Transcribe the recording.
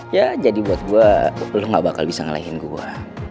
ya jadi buat gue lo gak bakal bisa ngalahin gue